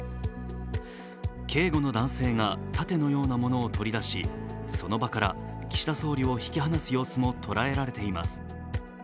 警護の男性が盾のようなものを取り出しその場から岸田総理を引き離す様子も捉えられています。